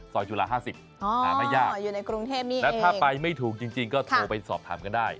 ซอยจุฬา๕๐อามาญาอยู่ในกรุงเทพนี่เองแล้วถ้าไปไม่ถูกจริงก็โทรไปสอบถามก็ได้